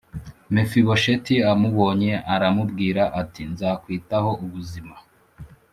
Mefibosheti amubonye aramubwira ati nzakwitaho ubuzima